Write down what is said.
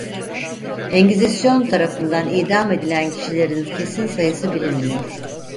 Engizisyon tarafından idam edilen kişilerin kesin sayısı bilinmiyor.